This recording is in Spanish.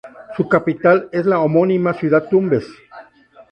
Su capital es la homónima ciudad Tumbes.